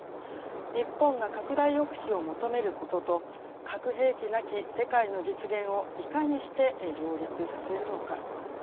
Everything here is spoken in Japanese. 日本が拡大抑止を求めることと核兵器なき世界の実現をいかにして両立させるのか。